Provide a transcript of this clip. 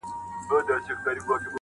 د وکيلانو پوښتنو ته به ميوندوال